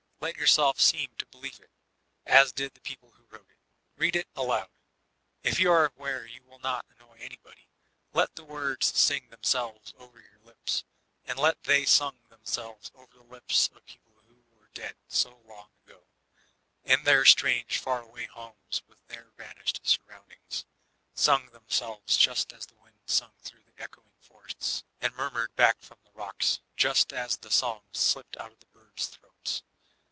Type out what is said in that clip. Let yourself seem to believe ii, as did he who wrote it Read it aloud, if you are where you will not annoy anybody; let the words sing themselves over your lips, as they sung themselves over the lips of the people who were dead so long ago, — ^in their strange far away homes with their vanished surroundings; sung themselves, just as the wind sung through the edioing forests, and murmured back from the rocks ; just as the songs slipped out of the birds* throats.